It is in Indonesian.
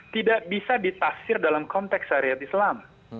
tidak bisa ditafsir dalam konteks syariat islam